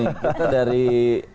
kita dari artis memiliki